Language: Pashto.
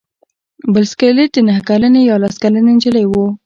بل سکلیټ د نهه کلنې یا لس کلنې نجلۍ و.